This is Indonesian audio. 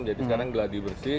jadi sekarang gladi bersih